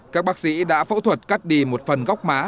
các bác sĩ đã phẫu thuật cắt đi một phần góc má